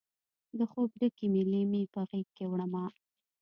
د خوب ډکې مې لیمې په غیږکې وړمه